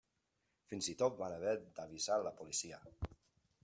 Fins i tot van haver d'avisar la policia.